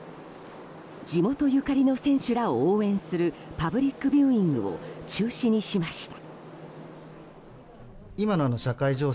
地元ゆかりの選手らを応援するパブリックビューイングを中止にしました。